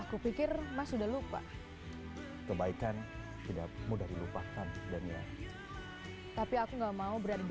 aku pikir mas sudah lupa kebaikan tidak mudah dilupakan dan ya tapi aku nggak mau berada di